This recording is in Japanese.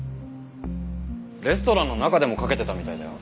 レストランの中でもかけてたみたいだよ。